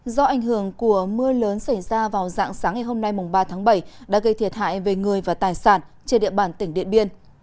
do ảnh hưởng của mưa lớn xảy ra vào dạng sáng ngày hôm nay ba tháng bảy đã gây thiệt hại về người và tài sản trên địa bàn tỉnh điện biên